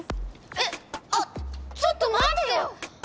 えっあっちょっとまってよ！